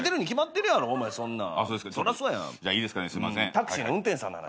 タクシーの運転手さんの話。